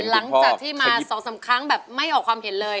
หลังจากที่มา๒๓ครั้งแบบไม่ออกความเห็นเลย